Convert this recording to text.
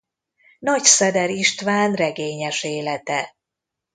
Nagy Szeder István regényes élete.